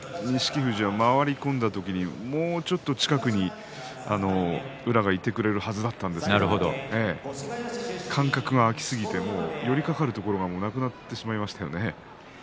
富士は回り込んだ時にもうちょっと近くに宇良はいてくれるはずだったんですが間隔が空きすぎて寄りかかるところがなくなってしまいましたよね。